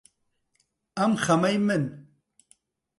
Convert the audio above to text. ئەم خەمەی من